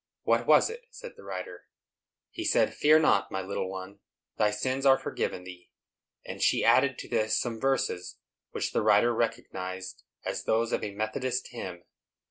"What was it?" said the writer. "He said, 'Fear not, my little one; thy sins are forgiven thee;'" and she added to this some verses, which the writer recognized as those of a Methodist hymn.